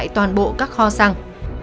tại toàn bộ các kho xăng